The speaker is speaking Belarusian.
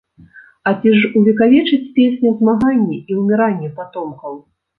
А ці ж увекавечыць песня змаганне і ўміранне патомкаў?